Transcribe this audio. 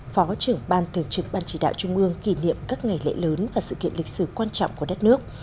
phó trưởng ban thường trực ban chỉ đạo trung ương kỷ niệm các ngày lễ lớn và sự kiện lịch sử quan trọng của đất nước